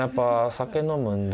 酒飲むんで。